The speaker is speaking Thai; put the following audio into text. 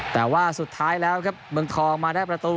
แต่ว่าสุดท้ายแล้วครับเมืองทองมาได้ประตู